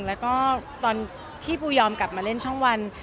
แล้วก็ตอนที่ปูยอมกลับมาเล่นช่องวัน